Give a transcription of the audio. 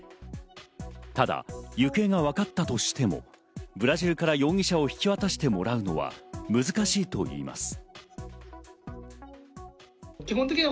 ただ行方がわかったとしても、ブラジルから容疑者を引き渡してもらうのは難しいといいます。